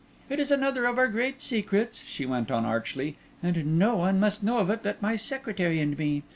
"It is another of our great secrets," she went on archly, "and no one must know of it but my secretary and me.